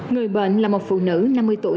người bệnh là một phụ nữ năm mươi tuổi